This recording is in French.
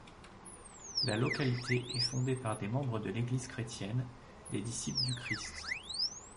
La localité est fondée par des membres de l'Église chrétienne des Disciples du Christ.